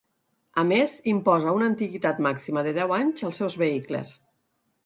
A més, imposa una antiguitat màxima de deu anys als seus vehicles.